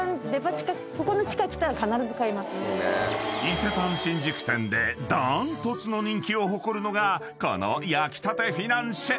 ［伊勢丹新宿店で断トツの人気を誇るのがこの焼きたてフィナンシェ］